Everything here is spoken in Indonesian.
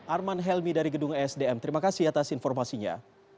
arman helmi dari gedung sdm terima kasih atas informasinya